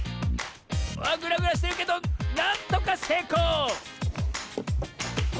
あっグラグラしてるけどなんとかせいこう！